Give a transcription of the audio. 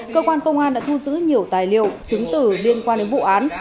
cơ quan công an đã thu giữ nhiều tài liệu chứng tử liên quan đến vụ án